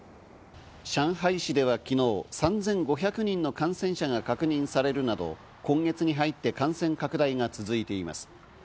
上海市では昨日３５００人の感染者が確認されるなど、今月に入って感染拡大が続いています。